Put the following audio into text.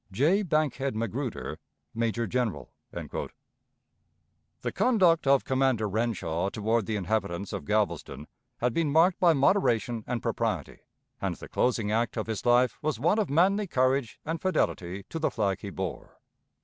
"J. BANKHEAD MAGRUDER, "Major General." The conduct of Commander Renshaw toward the inhabitants of Galveston had been marked by moderation and propriety, and the closing act of his life was one of manly courage and fidelity to the flag he bore.